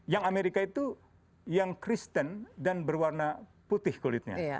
yang amerika itu yang kristen dan berwarna putih kulitnya